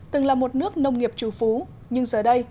từng là một nước nông nghiệp trù phú nhưng giờ đây